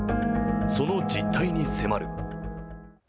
その実態に迫る。